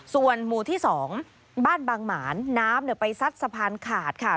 ส่วนหมู่ที่๒บ้านบางหมานน้ำไปซัดสะพานขาดค่ะ